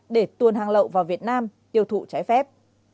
để tuồn hàng lậu vào việt nam tiêu thụ trái phép